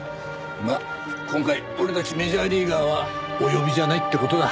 まあ今回俺たちメジャーリーガーはお呼びじゃないって事だ。